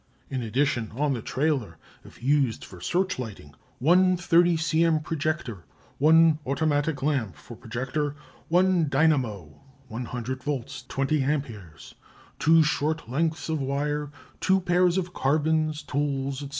In addition, on the trailer, if used for searchlighting: One 30 c.m. projector, one automatic lamp for projector, one dynamo (100 volts 20 ampères), two short lengths of wire, two pairs of carbons, tools, &c.